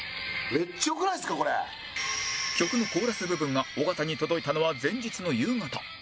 曲のコーラス部分が尾形に届いたのは前日の夕方